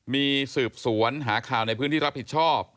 มีสืบสวนหาข่าวในพื้นที่รับผิดชอบ